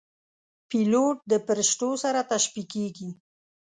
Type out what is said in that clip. پیلوټ د پرښتو سره تشبیه کېږي.